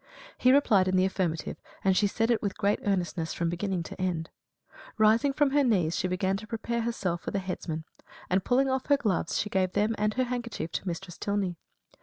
He replied in the affirmative; and she said it with great earnestness from beginning to end. Rising from her knees, she began to prepare herself for the headsman and pulling off her gloves, gave them and her handkerchief to Mistress Tylney.